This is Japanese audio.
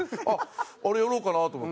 「あれやろうかなと思って」。